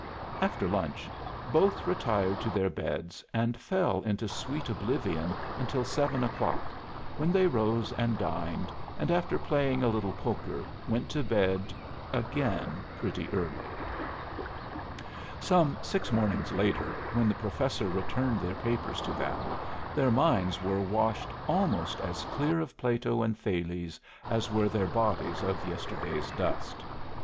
After lunch both retired to their beds and fell into sweet oblivion until seven o'clock, when they rose and dined, and after playing a little poker went to bed again pretty early. Some six mornings later, when the Professor returned their papers to them, their minds were washed almost as clear of Plato and Thales as were their bodies of yesterday's dust.